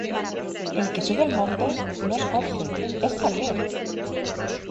El que sube al monte no es Jorge, ¡es Javier!